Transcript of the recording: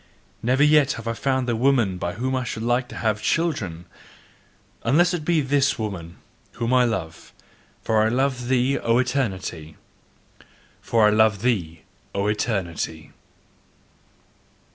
Never yet have I found the woman by whom I should like to have children, unless it be this woman whom I love: for I love thee, O Eternity! FOR I LOVE THEE, O ETERNITY!